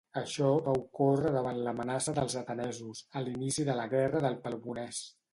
Això va ocórrer davant l'amenaça dels atenesos, a l'inici de la Guerra del Peloponès.